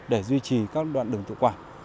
để duy trì các đoạn đường tự quản